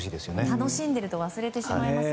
楽しんでると忘れてしまうのでね。